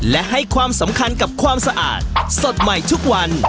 และให้ความสำคัญกับความสะอาดสดใหม่ทุกวัน